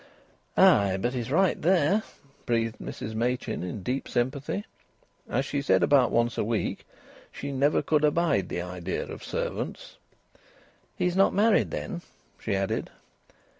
"Ay! But he's right there!" breathed Mrs Machin in deep sympathy. As she said about once a week, "She never could abide the idea of servants." "He's not married, then?" she added.